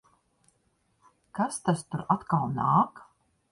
Kas tas tur atkal nāk?